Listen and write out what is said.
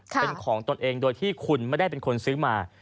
เป็นของตนเองโดยที่คุณไม่ได้เป็นคนซื้อมา